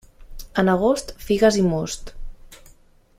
En agost, figues i most.